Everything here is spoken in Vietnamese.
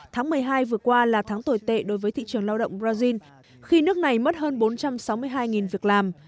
tháng một mươi hai vừa qua là tháng tồi tệ đối với thị trường lao động brazil khi nước này mất hơn bốn trăm sáu mươi hai việc làm